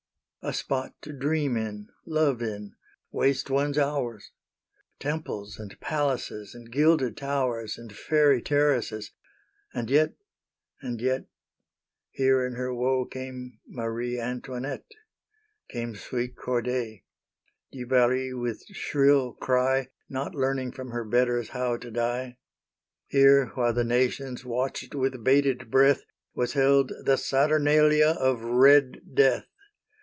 A spot to dream in, love in, waste one's hours! Temples and palaces, and gilded towers, And fairy terraces! and yet, and yet Here in her woe came Marie Antoinette, Came sweet Corday, Du Barry with shrill cry, Not learning from her betters how to die! Here, while the Nations watched with bated breath, Was held the saturnalia of Red Death!